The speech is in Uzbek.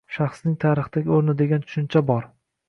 “Shaxsning tarixdagi o‘rni” degan tushuncha bor